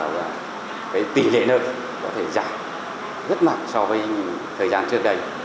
và cái tỉ lệ nó có thể giảm rất mạnh so với thời gian trước đây